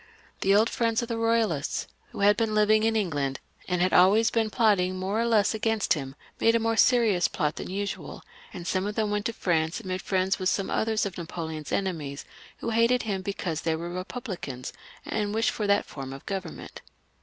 The old friends of the Eoyalists, who had been living in England, and had always been more or less plotting against him, made a more serious plot than usual, and some of them went to France and made friends with some others of Napoleon's enemies, who hated him because they were Eepublicans, and wished for ^^■'C 432 DIRECTORY AND CONSV^jl^j^ pj^ ^^y; [a that form of government.